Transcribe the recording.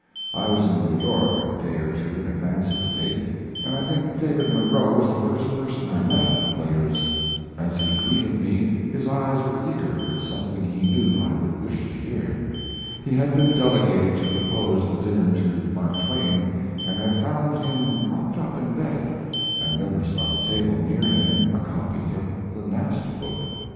I was in New York a day or two in advance of the date, and I think David Munro was the first person I met at The Players. As he greeted me his eyes were eager with something he knew I would wish to hear. He had been delegated to propose the dinner to Mark Twain, and had found him propped up in bed, and noticed on the table near him a copy of the Nast book.